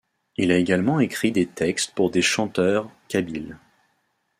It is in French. Il a également écrit des textes pour des chanteurs Kabyles.